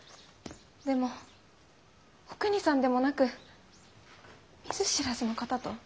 でもおくにさんでもなく見ず知らずの方と。